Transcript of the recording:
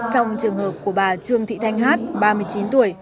xong trường hợp của bà trương thị thanh hát ba mươi chín tuổi